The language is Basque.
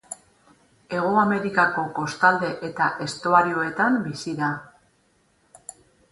Hego Amerikako kostalde eta estuarioetan bizi da.